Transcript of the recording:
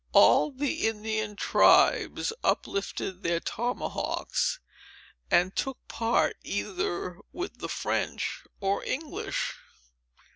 All the Indian tribes uplifted their tomahawks, and took part either with the French or English.